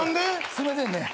すいませんね。